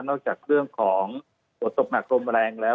นอกจากเรื่องของอุดตบหนักรมแรงแล้ว